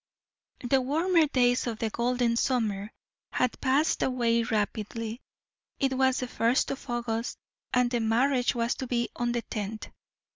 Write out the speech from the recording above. The warmer days of the golden summer had passed away rapidly; it was the first of August, and the marriage was to be on the tenth.